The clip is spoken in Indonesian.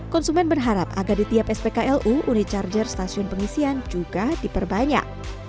konsumen berharap agar di tiap spklu uni charger stasiun pengisian juga diperbanyak